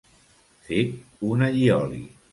Fet un allioli.